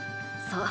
そう！